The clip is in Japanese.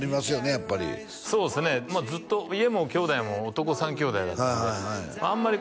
やっぱりそうですねずっと家も兄弟も男３兄弟だったんであんまり